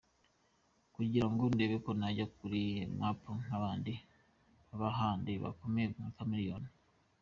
kugira ngo ndebe ko najya kuri map nkabandi bahanzi bakomeye nka Chameleone.